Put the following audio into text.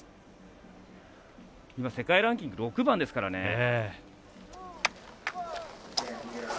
今、世界ランキング６番ですからね。